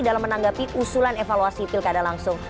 dalam menanggapi usulan evaluasi pilkada langsung